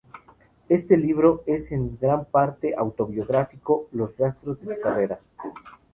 Este libro es en gran parte autobiográfico, los rastros de su carrera.